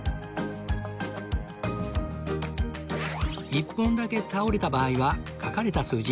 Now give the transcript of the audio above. １本だけ倒れた場合は書かれた数字